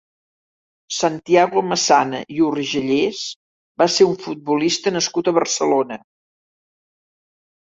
Santiago Massana i Urgellés va ser un futbolista nascut a Barcelona.